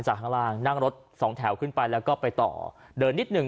ข้างล่างนั่งรถสองแถวขึ้นไปแล้วก็ไปต่อเดินนิดหนึ่ง